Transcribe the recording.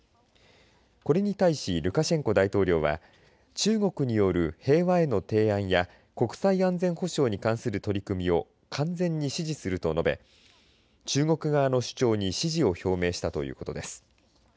これに対しルカシェンコで大統領は中国による平和への提案や国際安全保障に関する取り組みを完全に支持すると述べ中国側の主張に支持を表明したということです。